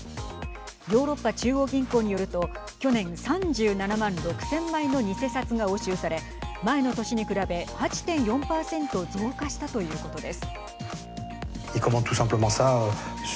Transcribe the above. ヨーロッパ中央銀行によると去年３７万６０００枚の偽札が押収され前の年に比べ８．４％増加したということです。